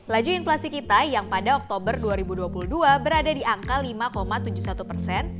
laju inflasi kita yang pada oktober dua ribu dua puluh dua berada di angka lima tujuh puluh satu persen